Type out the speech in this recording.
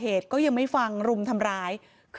เหตุการณ์เกิดขึ้นแถวคลองแปดลำลูกกา